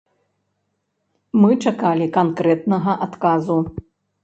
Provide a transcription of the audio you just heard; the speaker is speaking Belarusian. Мы чакалі канкрэтнага адказу.